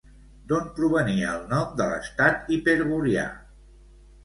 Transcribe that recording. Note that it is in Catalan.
D'on provenia el nom de l'estat Hiperbòria?